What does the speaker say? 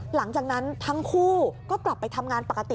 หลังจากนั้นทั้งคู่ก็กลับไปทำงานปกติ